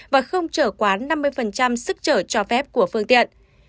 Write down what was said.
và có năm mươi sức trở cho phép của phương tiện